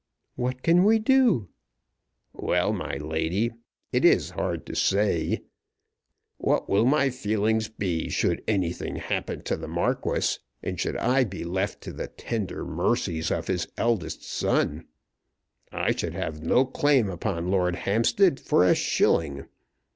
"What can we do?" "Well, my lady; it is hard to say. What will my feelings be, should anything happen to the Marquis, and should I be left to the tender mercies of his eldest son? I should have no claim upon Lord Hampstead for a shilling.